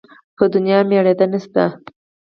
په دونيا مړېده نه شته.